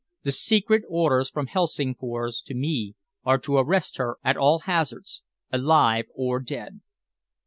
"The secret orders from Helsingfors to me are to arrest her at all hazards alive or dead."